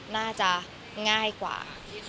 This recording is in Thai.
น่าจะง่ายกว่า